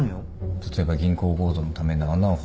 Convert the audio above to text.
例えば銀行強盗のための穴を掘ってるとか。